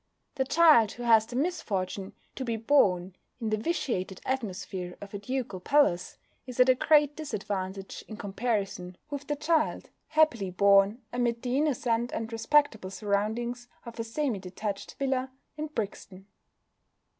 The child who has the misfortune to be born in the vitiated atmosphere of a ducal palace is at a great disadvantage in comparison with the child happily born amid the innocent and respectable surroundings of a semi detached villa in Brixton.